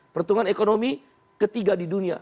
pertumbuhan ekonomi ketiga di dunia